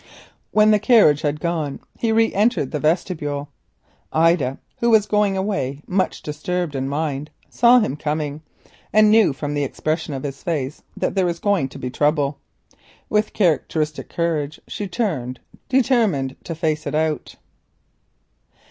When the carriage was gone he re entered the vestibule. Ida, who was going away much disturbed in mind, saw him come, and knew from the expression of his face that there would be trouble. With characteristic courage she turned, determined to brave it out.